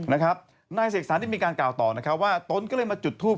นะครับณเศขสารมีการกล่าวต่อว่าต้นก็เลยมาจุดทูป